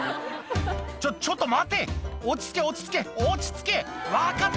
「ちょっと待て落ち着け落ち着け落ち着け分かった」